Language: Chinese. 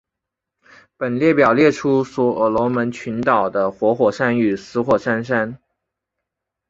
本列表列出所罗门群岛的活火山与死火山。